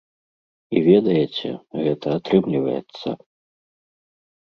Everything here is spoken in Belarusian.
І ведаеце, гэта атрымліваецца!